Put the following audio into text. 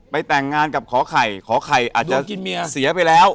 แต่งงานกับขอไข่ขอไข่อาจจะกินเมียเสียไปแล้ว